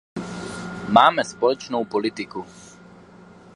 Máme společnou politiku.